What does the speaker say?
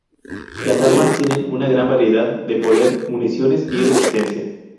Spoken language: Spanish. Las armas tienen una gran variedad de poder, municiones y resistencia.